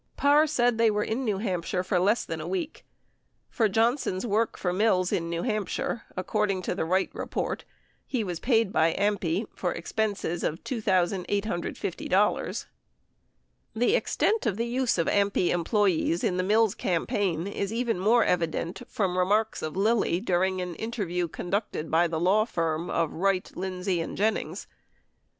41 Parr said they were in New Hampshire less than a week. For John son's work for Mills in New Hampshire, according to the Wright Report, he was paid by AMPI, for expenses of $2,850. The extent of the use of AMPI employees in the Mills campaign is even more evident from remarks of Lilly during an interview con ducted by the law firm of Wright, Lindsey and Jennings.